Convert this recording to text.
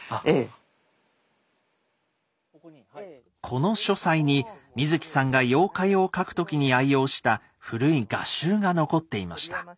この書斎に水木さんが妖怪を描く時に愛用した古い画集が残っていました。